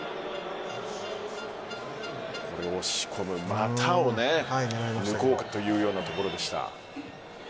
股を抜こうかというようなところでした。